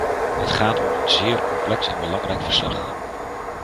Het gaat om een zeer complex en belangrijk verslag.